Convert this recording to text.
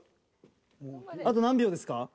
あと何秒ですか？